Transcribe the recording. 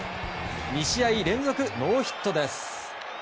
２試合連続ノーヒットです。